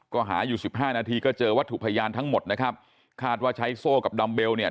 ก็หาอยู่สิบห้านาทีก็เจอวัตถุพยานทั้งหมดนะครับคาดว่าใช้โซ่กับดัมเบลเนี่ย